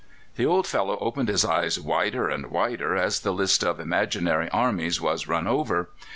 The old fellow opened his eyes wider and wider as the list of imaginary armies was run over.